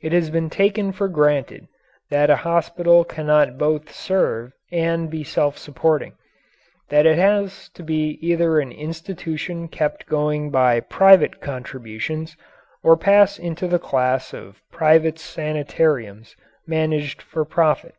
It has been taken for granted that a hospital cannot both serve and be self supporting that it has to be either an institution kept going by private contributions or pass into the class of private sanitariums managed for profit.